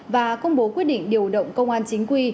và công bố quyết định điều động công an chính quy